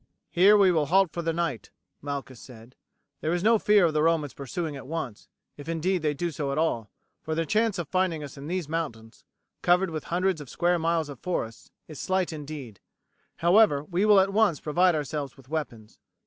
"Here we will halt for the night," Malchus said; "there is no fear of the Romans pursuing at once, if indeed they do so at all, for their chance of finding us in these mountains, covered with hundreds of square miles of forests, is slight indeed; however, we will at once provide ourselves with weapons."